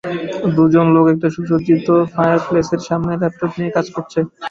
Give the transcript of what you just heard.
দুজন লোক একটা সুসজ্জিত ফায়ারপ্লেসের সামনে ল্যাপটপ নিয়ে কাজ করছে